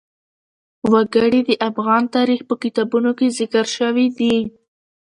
وګړي د افغان تاریخ په کتابونو کې ذکر شوی دي.